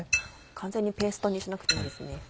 完全にペーストにしなくていいんですね。